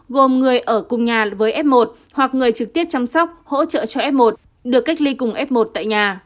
gồm người ở cùng nhà với f một hoặc người trực tiếp chăm sóc hỗ trợ cho f một được cách ly cùng f một tại nhà